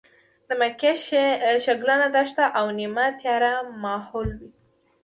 د مکې شګلنه دښته او نیمه تیاره ماحول و.